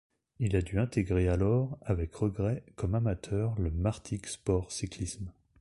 Il a dû intégrer alors avec regret comme amateur le Martigues Sport Cyclisme.